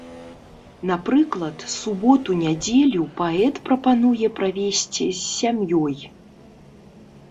Напрыклад, суботу-нядзелю паэт прапануе правесці з сям'ёй.